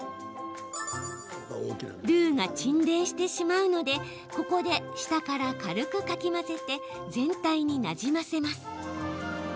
ルーが沈殿してしまうのでここで下から軽くかき混ぜて全体になじませます。